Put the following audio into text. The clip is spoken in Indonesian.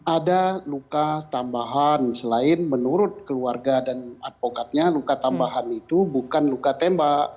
ada luka tambahan selain menurut keluarga dan advokatnya luka tambahan itu bukan luka tembak